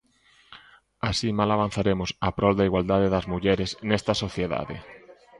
Así mal avanzaremos a prol da igualdade das mulleres nesta sociedade.